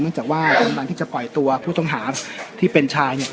จากว่ากำลังที่จะปล่อยตัวผู้ต้องหาที่เป็นชาย